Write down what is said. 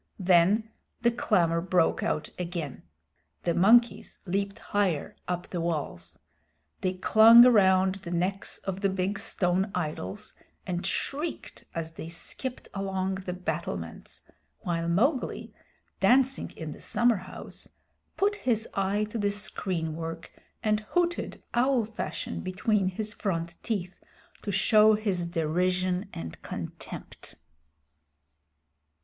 Then the clamor broke out again. The monkeys leaped higher up the walls. They clung around the necks of the big stone idols and shrieked as they skipped along the battlements, while Mowgli, dancing in the summerhouse, put his eye to the screenwork and hooted owl fashion between his front teeth, to show his derision and contempt.